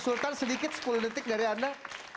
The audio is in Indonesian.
usulkan sedikit sepuluh detik dari anda